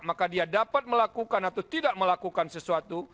maka dia dapat melakukan atau tidak melakukan sesuatu